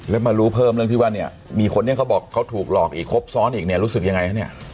แล้วมารู้เพิ่มเรื่องที่ว่าเนี่ยมีคนที่เขาบอกที่เขาถูกหลอกอีกครบซ้อนอีกรู้สึกยังไง